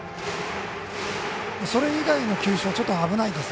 それ以外の球種はちょっと危ないです。